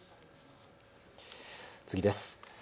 次です。